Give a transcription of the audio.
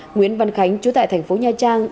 nguyễn văn khánh chú tại thành phố nha trang